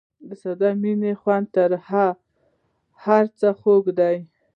د ساده مینې خوند تر هر څه خوږ دی.